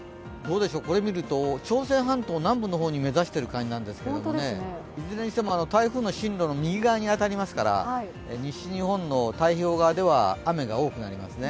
これを見ると、朝鮮半島南部の方目指してる感じなんですけどいずれにしても台風の進路の右側に当たりますから、西日本の太平洋側では雨が多くなりますね。